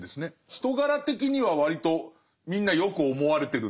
人柄的には割とみんなよく思われてるんだ。